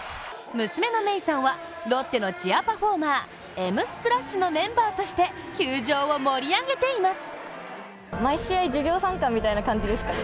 娘のＭＥＩさんはロッテのチアパフォーマーＭ☆Ｓｐｌａｓｈ！！のメンバーとして球場を盛り上げています。